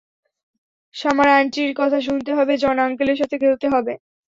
Summer আন্টির কথা শুনতে হবে, জন আঙ্কেলের সাথে খেলতে হবে।